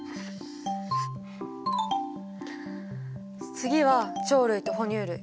次は鳥類と哺乳類。